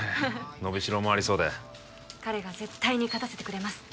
伸びしろもありそうで彼が絶対に勝たせてくれます